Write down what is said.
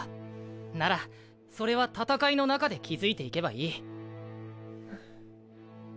ならそれは戦いの中で築いていけばいい。